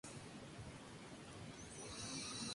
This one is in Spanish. Málaga, donde permaneció dos temporadas.